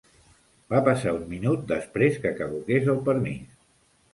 Va passar un minut després que caduqués el permís.